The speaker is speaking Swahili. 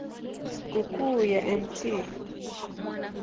Sikukuu ya Mt.